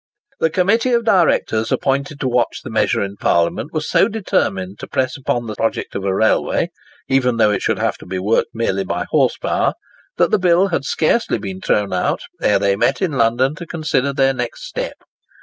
The Committee of Directors appointed to watch the measure in Parliament were so determined to press on the project of a railway, even though it should have to be worked merely by horse power, that the bill had scarcely been thrown out ere they met in London to consider their next step.